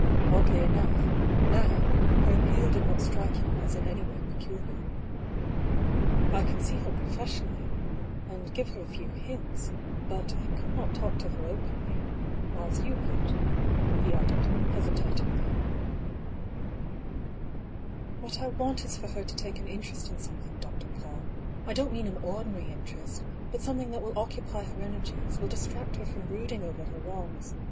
Oddly enough, now, her appeal did not strike him as in any way peculiar. " I could see her professionally, and give her a few hints ; .but I could not talk to her openly, as you could," he added, hesitatingly. " What I want is for her to take an interest in some thing. Dr. PauU. I don't mean an ordinary interest — but something that will occupy her energies, will dis tract her from brooding over her wrongs.